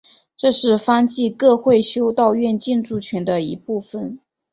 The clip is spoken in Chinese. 这是方济各会修道院建筑群的一部分。